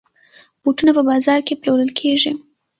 بوټونه په بازاز کې پلورل کېږي.